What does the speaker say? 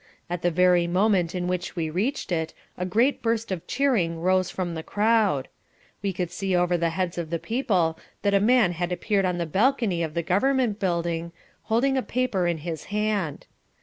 At the very moment in which we reached it a great burst of cheering rose from the crowd. We could see over the heads of the people that a man had appeared on the balcony of the Government Building, holding a paper in his hand.